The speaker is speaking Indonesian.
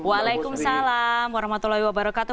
waalaikumsalam warahmatullahi wabarakatuh